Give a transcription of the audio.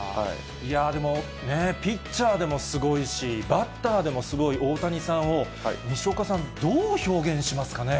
いやでも、ね、ピッチャーでもすごいし、バッターでもすごい大谷さんを、西岡さん、どう表現しますかね？